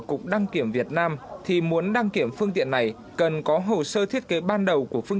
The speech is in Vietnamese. có cần phải vi phạm pháp luật như thế không